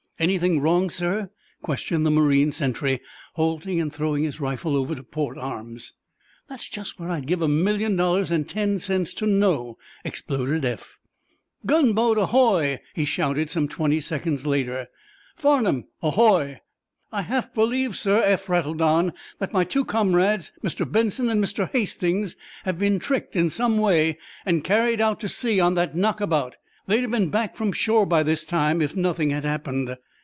"Anything wrong, sir?" questioned the marine sentry, halting and throwing his rifle over to port arms. "That's just what I'd give a million dollars and ten cents to know!" exploded Eph. "Gunboat, ahoy!" he shouted, some twenty seconds later. "'Farnum,' ahoy!" "I half believe, sir," Eph rattled on, "that my two comrades, Mr. Benson and Mr. Hastings have been tricked, in some way, and carried out to sea on that knockabout. They'd have been back from shore by this time, if nothing had happened."